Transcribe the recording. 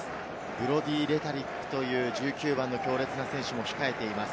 ブロディー・レタリックという１９番の強烈な選手も控えています。